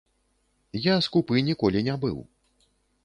Я скупы ніколі не быў.